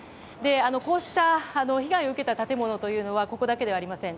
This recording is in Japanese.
こうした被害を受けた建物というのはここだけではありません。